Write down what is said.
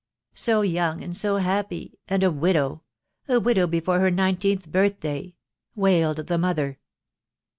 "So young, and so happy, and a widow — a widow before her nineteenth birthday," wailed the mother.